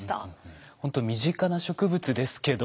ほんと身近な植物ですけど。